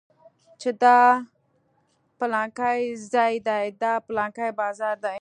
چې دا پلانکى ځاى دى دا پلانکى بازار دى.